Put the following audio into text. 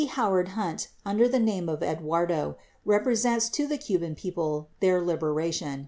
Howard Hunt, under the name of Eduardo, represents to the Cuban people their liberation.